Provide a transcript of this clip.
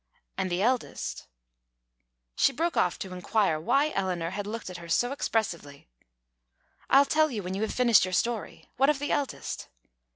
And the eldest " She broke off to inquire why Eleanor had looked at her so expressively. "I'll tell you when you have finished your story. What of the eldest?"